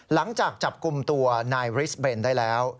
หลังจากจับกลุ่มตัวนายริสเบนได้แล้ว